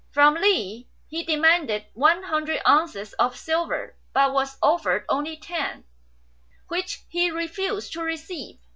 From Li he demanded one hun dred ounces of silver, but was offered only ten, which he 144 STRANGE STORIES refused to receive.